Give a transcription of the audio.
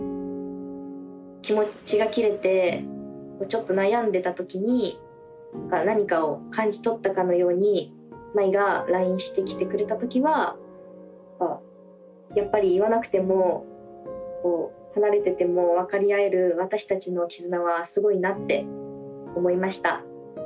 気持ちが切れてちょっと悩んでた時に何かを感じ取ったかのように茉愛がラインしてきてくれた時はやっぱり言わなくても離れてても分かり合える私達の絆はすごいなって思いました。